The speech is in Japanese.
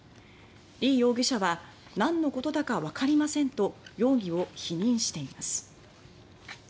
リ容疑者は「何のことだかわかりません」と容疑を否認しています。